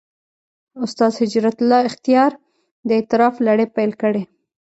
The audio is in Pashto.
استاد هجرت الله اختیار د «اعتراف» لړۍ پېل کړې.